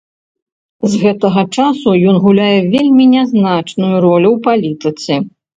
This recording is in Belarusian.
З гэтага часу ён гуляў вельмі нязначную ролю ў палітыцы.